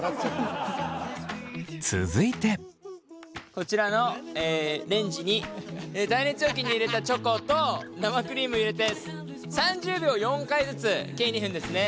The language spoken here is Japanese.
こちらのレンジに耐熱容器に入れたチョコと生クリーム入れて３０秒を４回ずつ計２分ですね。